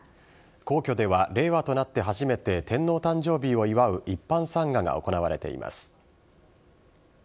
皇居では令和となって初めて天皇誕生日を祝う一般参賀が行われています。